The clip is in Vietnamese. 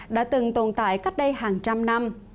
đã từng tồn tại cách đây hàng trăm năm